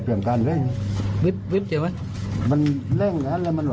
พวกมันคิดว่าพูดยิ้มเวลาไหนที่เหมือนฉัน